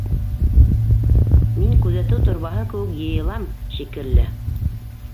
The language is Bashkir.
—Мин күҙәтеү торбаһы кеүек йыйылам, шикелле.